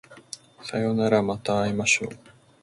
さようならまた会いましょう